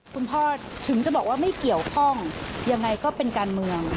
คุณพ่อถึงจะบอกว่าไม่เกี่ยวข้องยังไงก็เป็นการเมือง